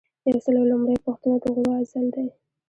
یو سل او لومړۍ پوښتنه د غړو عزل دی.